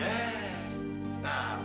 selamat datang dalek